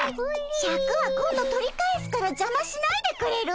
シャクは今度取り返すからじゃましないでくれる？